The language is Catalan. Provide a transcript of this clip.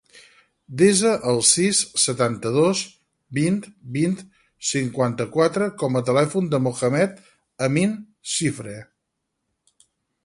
Desa el sis, setanta-dos, vint, vint, cinquanta-quatre com a telèfon del Mohamed amin Cifre.